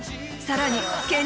さらに。